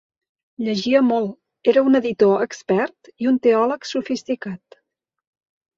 Llegia molt, era un editor expert i un teòleg sofisticat.